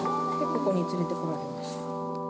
ここに連れてこられました。